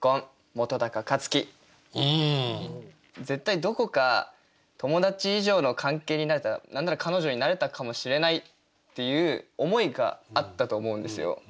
絶対どこか友達以上の関係になれたら何なら彼女になれたかもしれないっていう思いがあったと思うんですよ。